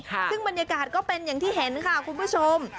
ซึ่งบรรยากาศก็เป็นอย่างที่เห็นค่ะคุณผู้ชม